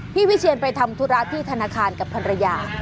วิเชียนไปทำธุระที่ธนาคารกับภรรยา